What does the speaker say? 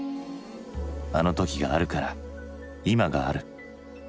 あの時があるから今がある。